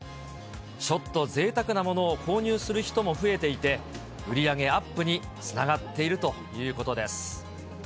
ちょっとぜいたくなものを購入する人も増えていて、売り上げアップにつながっているということです。